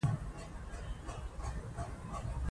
هغې د کورنۍ د روغتیا په اړه د متخصصینو سره مشوره کوي.